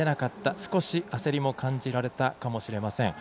少し焦りも感じられたかもしれません。